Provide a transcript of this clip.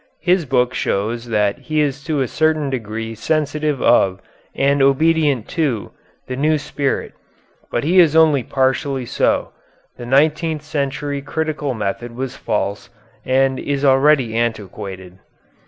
His book shows that he is to a certain degree sensitive of and obedient to the new spirit; but he is only partially so. The nineteenth century critical method was false, and is already antiquated....